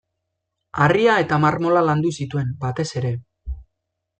Harria eta marmola landu zituen, batez ere.